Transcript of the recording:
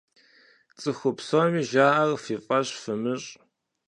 ЦӀыху псоми жаӀэр фи фӀэщ фымыщӀ!